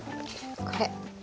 これ。